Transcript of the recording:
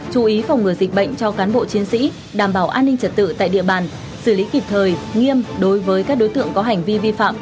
chú ý phòng ngừa dịch bệnh cho cán bộ chiến sĩ đảm bảo an ninh trật tự tại địa bàn xử lý kịp thời nghiêm đối với các đối tượng có hành vi vi phạm